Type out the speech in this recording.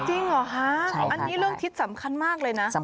จริงเหรอคะอันนี้เรื่องทิศสำคัญมากเลยนะ